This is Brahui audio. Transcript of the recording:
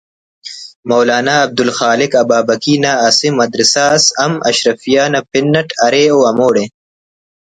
مولانا عبدالخالق ابابکی نا اسہ مدرسہ اس ہم اشرفیہ نا پن اٹ ارے او ہموڑے